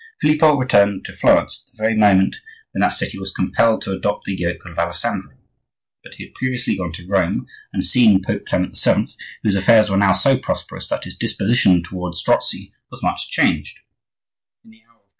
Filippo returned to Florence at the very moment when that city was compelled to adopt the yoke of Alessandro; but he had previously gone to Rome and seen Pope Clement VII., whose affairs were now so prosperous that his disposition toward Strozzi was much changed.